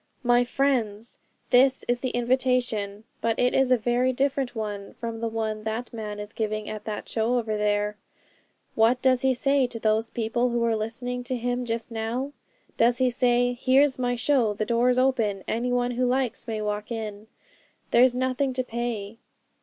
'My friends, this is the invitation; but it is a very different one from the one that man is giving at that show over there. What does he say to those people who are listening to him just now? Does he say, "Here's my show; the door is open, any one who likes may walk in; there's nothing to pay"?